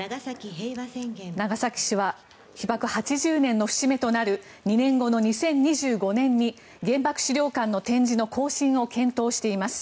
長崎市は被爆８０年の節目となる２年後の２０２５年に原爆資料館の展示の更新を検討しています。